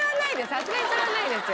さすがにそれはないですよ。